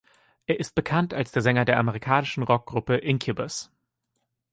Er ist bekannt als der Sänger der amerikanischen Rockgruppe Incubus.